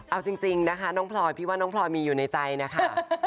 เอาจริงนะคะน้องพลอยพี่ว่าน้องพลอยมีอยู่ในใจนะคะ